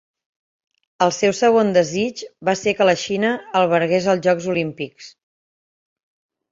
El seu segon desig va ser que la Xina albergués els Jocs Olímpics.